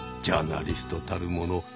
ジャーナリストたるもの